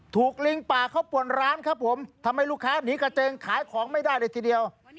ลิงป่าเขาป่วนร้านครับผมทำให้ลูกค้าหนีกระเจิงขายของไม่ได้เลยทีเดียว